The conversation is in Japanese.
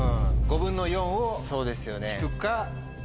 ５分の４を引くか。